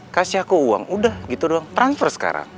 kasih aku uang udah gitu doang transfer sekarang